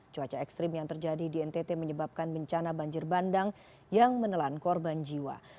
cuaca ekstrim yang terjadi di ntt menyebabkan bencana banjir bandang yang menelan korban jiwa